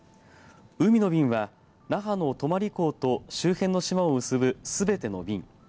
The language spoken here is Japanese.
海の便は那覇の泊港と周辺の島を結ぶすべての便